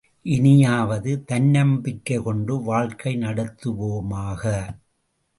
இனியாவது தன்னம்பிக்கை கொண்டு வாழ்க்கை நடத்துவோமாக.